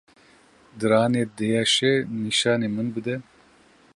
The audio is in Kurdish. Diranê diêşe nîşanî min bide.